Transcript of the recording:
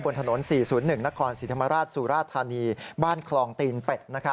บนถนน๔๐๑นครศรีธรรมราชสุราธานีบ้านคลองตีนเป็ด